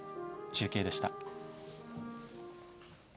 中継でした。